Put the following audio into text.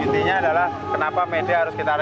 intinya adalah kenapa may day harus diperingati